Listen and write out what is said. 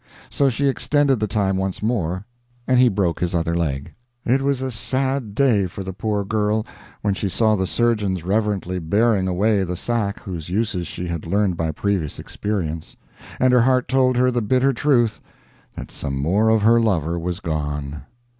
So she extended the time once more, and he broke his other leg. It was a sad day for the poor girl when she saw the surgeons reverently bearing away the sack whose uses she had learned by previous experience, and her heart told her the bitter truth that some more of her lover was gone.